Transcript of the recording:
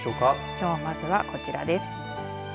きょうまずは、こちらです。